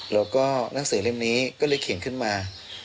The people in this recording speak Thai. แล้วก็หนังสือเล่มนี้ก็เลยเขียนขึ้นมา